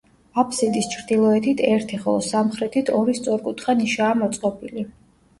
აბსიდის ჩრდილოეთით ერთი, ხოლო სამხრეთით ორი სწორკუთხა ნიშაა მოწყობილი.